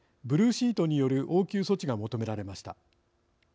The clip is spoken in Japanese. ブルーシートによる応急措置が求められました。